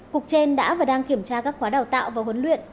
cục trên đã và đang kiểm tra các khóa đào tạo và huấn luyện